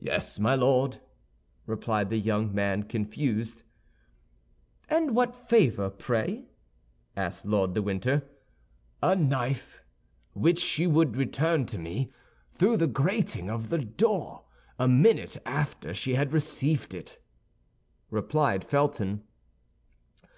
"Yes, my Lord," replied the young man, confused. "And what favor, pray?" asked Lord de Winter. "A knife, which she would return to me through the grating of the door a minute after she had received it," replied Felton.